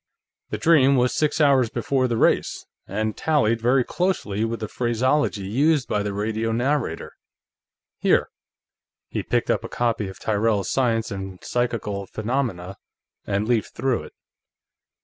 "The dream was six hours before the race, and tallied very closely with the phraseology used by the radio narrator. Here." He picked up a copy of Tyrrell's Science and Psychical Phenomena and leafed through it.